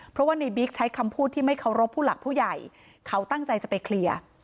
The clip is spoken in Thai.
เพราะว่าในบิ๊กใช้คำพูดที่ไม่เคารพผู้หลักผู้ใหญ่เขาตั้งใจจะไปเคลียร์